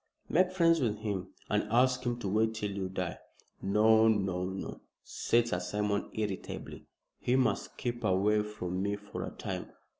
"Make friends with him, and ask him to wait till you die." "No, no, no!" said Sir Simon, irritably. "He must keep away from me for a time.